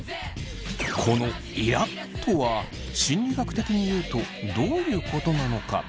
この「イラっ」とは心理学的にいうとどういうことなのか？